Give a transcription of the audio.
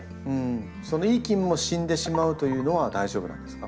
そのいい菌も死んでしまうというのは大丈夫なんですか？